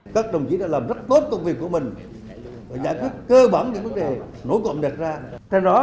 các đồng chí đã làm rất tốt công việc của mình giải quyết cơ bản những vấn đề nổi cộng đẹp ra